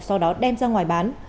sau đó đem ra ngoài bán